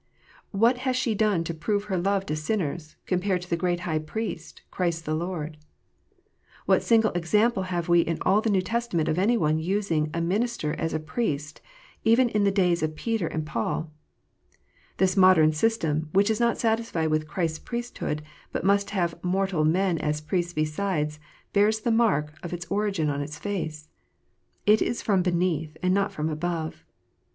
What has she done to prove her love to sinners, compared to the Great High Priest, Christ the Lord 1 What single example have we in all the ]STew Testament of any one using a minister as a priest, even in the days of Peter and Paul 1 This modern system, which is not satisfied with Christ s Priesthood, but must have mortal men as priests besides, bears the mark of its origin on its face. It is from beneath, and not from above.